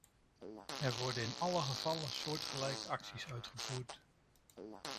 Er worden in alle gevallen soortgelijke acties uitgevoerd.